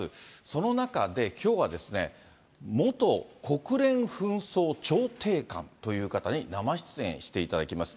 その中で、きょうは元国連紛争調停官という方に生出演していただきます。